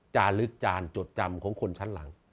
ลึกจานจดจำของคนชั้นหลัง